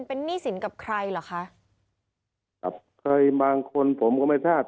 เป็นหนี้สินกับใครเหรอคะกับใครบางคนผมก็ไม่ทราบ